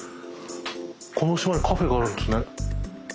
この島にカフェがあるんですね。